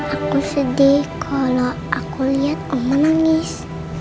aku sedih kalau aku lihat omah nangis